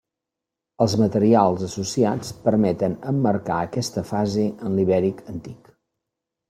Els materials associats permeten emmarcar aquesta fase en l'ibèric antic.